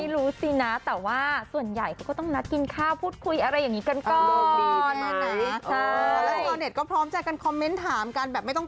รู้สินะแต่ว่าส่วนใหญ่เขาก็ต้องนัดกินข้าวพูดคุยอะไรอย่างนี้กันก่อน